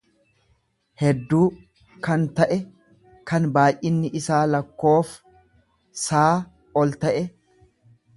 hedduu kan ta'e, kan baay'inni isaa lakkoof saa ol ta'e.